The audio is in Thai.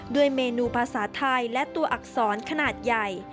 ด้วยเมนูภาษาไทยและตัวอักษรขนาดใหญ่